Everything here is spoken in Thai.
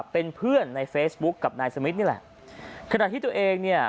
เป็นเพื่อนในเฟซบุ๊คกับนายสมิทนี่แหละขณะที่ตัวเองเนี่ย